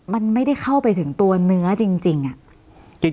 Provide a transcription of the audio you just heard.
มันไม่ได้เข้าไปถึงตัวเนื้อจริงอะ